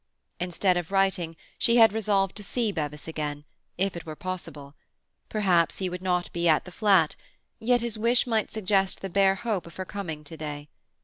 Instead of writing, she had resolved to see Bevis again—if it were possible. Perhaps he would not be at the flat; yet his wish might suggest the bare hope of her coming to day.